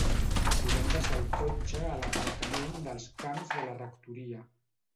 Podem deixar el cotxe a l'aparcament dels camps de la Rectoria